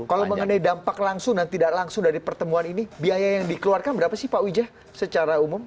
kalau mengenai dampak langsung dan tidak langsung dari pertemuan ini biaya yang dikeluarkan berapa sih pak wijah secara umum